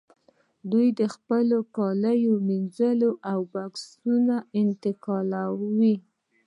دوی خپل کالي مینځي او بکسونه انتقالوي